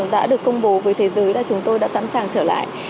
đã được công bố với thế giới là chúng tôi đã sẵn sàng trở lại